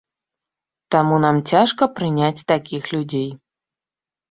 Таму нам цяжка прыняць такіх людзей.